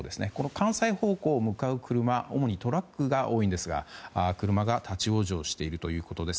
関西方向へ向かう車は主にトラックが多いんですが車が立ち往生しているということです。